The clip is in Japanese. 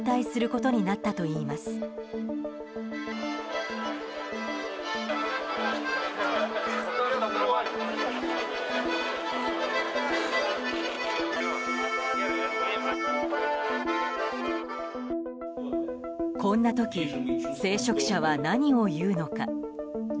こんな時聖職者は何を言うのか。